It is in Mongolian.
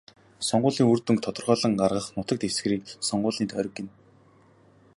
Сонгуулийн үр дүнг тодорхойлон гаргах нутаг дэвсгэрийг сонгуулийн тойрог гэнэ.